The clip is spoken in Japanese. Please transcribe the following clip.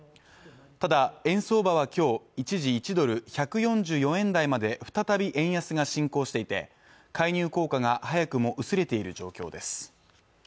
ただ円相場は今日、一時１ドル＝１４４円台まで再び円安が進行していて介入効果が早くも薄れている状況です。